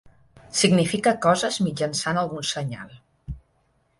Significa coses mitjançant algun senyal.